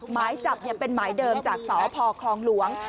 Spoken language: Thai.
หมายจับเป็นหมายเดิมจากสพคลองหลวง